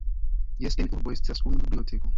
Jes, en urbo estas unu biblioteko.